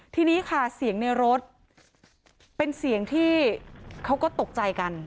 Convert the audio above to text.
ทีนี้ค่ะเสียงในรถเป็นเสียงที่เขาก็ตกใจกัน